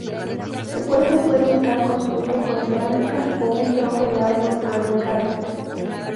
Su cuerpo suele estar construido con cerámica o un tronco de árbol ahuecado.